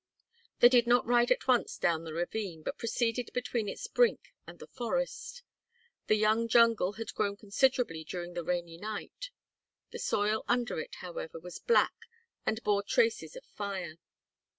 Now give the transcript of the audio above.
They did not ride at once down the ravine, but proceeded between its brink and the forest. The young jungle had grown considerably during the rainy night; the soil under it, however, was black and bore traces of fire.